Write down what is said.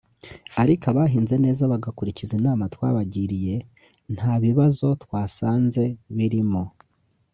ariko abahinze neza bagakurikiza inama twabagiriye nta bibazo twasanze birimo